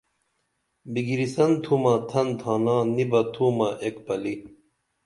بِگِرسن تُھمہ تھن تھانا نی بہ تُھمہ ایک پلی